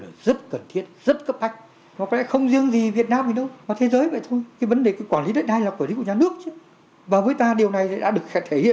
và khẳng định là nước